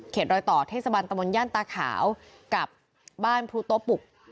รอยต่อเทศบันตะมนตย่านตาขาวกับบ้านภูโต๊ะปุก